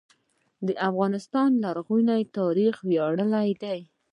د افغانستان لرغونی تاریخ ویاړلی دی